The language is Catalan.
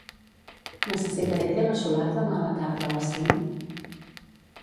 Necessitaré crema solar demà a la tarda a les cinc?